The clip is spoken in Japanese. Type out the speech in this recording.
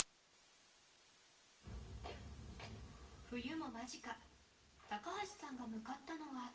［冬も間近高橋さんが向かったのは］